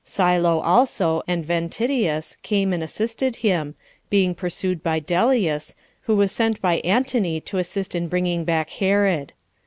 Silo also, and Ventidius, came and assisted him, being persuaded by Dellius, who was sent by Antony to assist in bringing back Herod.